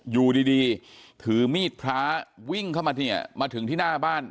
อยู่ดีดีถือมีดพระวิ่งเข้ามาเนี่ยมาถึงที่หน้าบ้าน